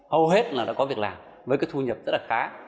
hầu hết là đã có việc làm với cái thu nhập rất là khá